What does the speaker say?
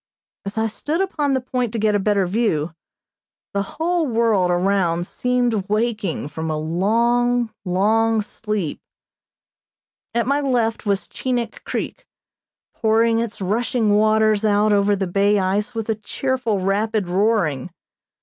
As I stood upon the point to get a better view, the whole world around seemed waking from a long, long sleep. At my left was Chinik Creek, pouring its rushing waters out over the bay ice with a cheerful, rapid roaring.